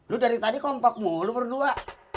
lu dari tadi kompak mulu berdua